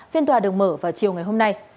phiên tòa được mở vào chiều ngày hôm nay